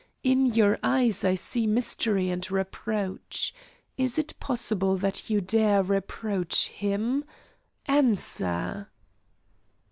In your eyes I see mystery and reproach. Is it possible that you dare reproach Him? Answer!"